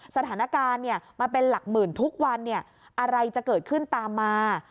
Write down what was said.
สถานการณ์มันเป็นหลักหมื่นทุกวันอะไรจะเกิดขึ้นตามมา